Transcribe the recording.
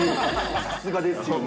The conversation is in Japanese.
さすがですよね。